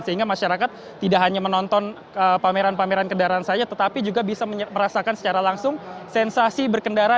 sehingga masyarakat tidak hanya menonton pameran pameran kendaraan saja tetapi juga bisa merasakan secara langsung sensasi berkendara